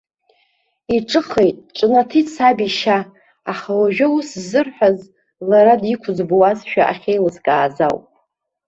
Иҿыхеит, ҿнаҭит саб ишьа, аха уажәы ус сзырҳәаз, лара диқәӡбуазшәа ахьеилыскааз ауп.